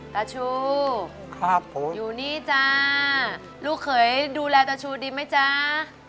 ตาชูอยู่นี่จ้าลูกเคยดูแลตาชูดีไหมจ้า